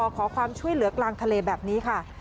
ขอความช่วยเหลือกลางทะเลแบบนี้ค่ะ